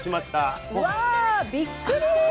うわびっ「くり」！